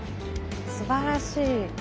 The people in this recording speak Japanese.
すばらしい。